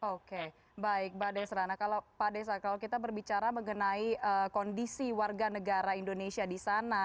oke baik mbak desra pak desa kalau kita berbicara mengenai kondisi warga negara indonesia di sana